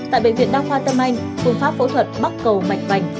tại bệnh viện đa khoa tâm anh phương pháp phẫu thuật mắc cầu mạch vành